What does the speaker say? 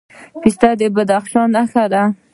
پسته د بادغیس نښه ده.